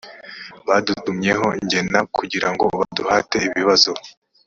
badutumyeho jye na roy brandt kugira ngo baduhate ibibazo